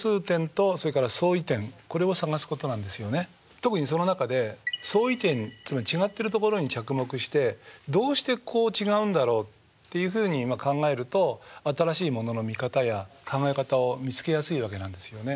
特にその中で相違点つまり違ってるところに着目してどうしてこう違うんだろう？っていうふうに考えると新しいものの見方や考え方を見つけやすいわけなんですよね。